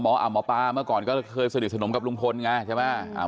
หมอปลาเมื่อก่อนก็เคยสนิทสนมกับลุงพลไงใช่ไหม